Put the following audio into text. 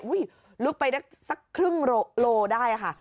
อุ๊ยลึกไปสักครึ่งโลได้ค่ะ